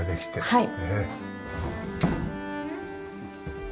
はい。